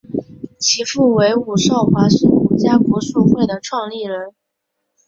其父为伍绍华是伍家国术会的创立人。